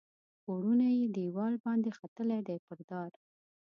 پوړونی یې دیوال باندې ختلي دي پر دار